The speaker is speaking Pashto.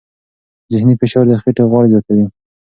ذهني فشار د خېټې غوړ زیاتوي.